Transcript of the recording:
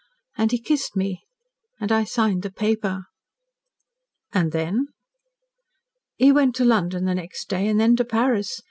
And he kissed me and I signed the paper." "And then?" "He went to London the next day, and then to Paris.